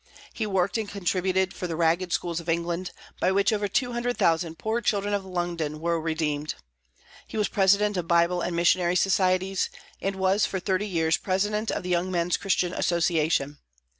He worked and contributed for the ragged schools of England, by which over 200,000 poor children of London were redeemed. He was President of Bible and Missionary Societies, and was for thirty years President of the Young Men's Christian Association.